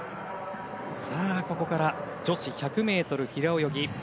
ここから女子１００ｍ平泳ぎ。